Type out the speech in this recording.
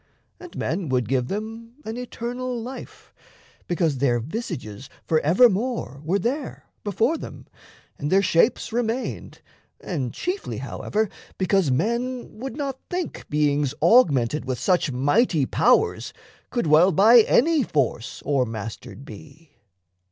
And men would give them an eternal life, Because their visages forevermore Were there before them, and their shapes remained, And chiefly, however, because men would not think Beings augmented with such mighty powers Could well by any force o'ermastered be.